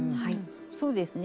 そうですね